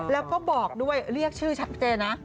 แล้วก็บอกด้วยเรียกชื่อชัดเจนนะ